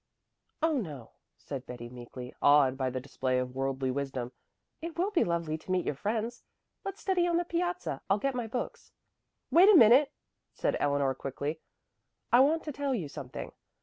"Oh, no," said Betty meekly, awed by the display of worldly wisdom. "It will be lovely to meet your friends. Let's study on the piazza. I'll get my books." "Wait a minute," said Eleanor quickly. "I want to tell you something.